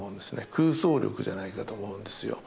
空想力じゃないかと思うんですよ。